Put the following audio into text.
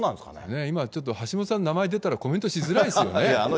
今、ちょっと橋下さんの名前出たらコメントしづらいですよね。